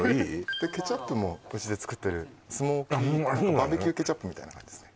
ケチャップもうちで作ってるスモーキーバーベキューケチャップみたいな感じですね